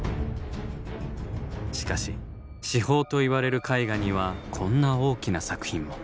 しかし至宝といわれる絵画にはこんな大きな作品も。